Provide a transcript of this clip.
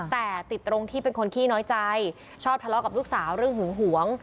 แต่ติดตรงที่เป็นคนขี้น้อยใจชอบทะเลาะกับลูกสาวเรื่องหึงหวง